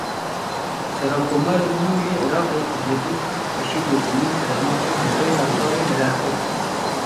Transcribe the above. Serokkomarê nû yê Iraqê Ebduletîf Reşîd yekemîn peyama xwe bi rêya Rûdawê belav kir.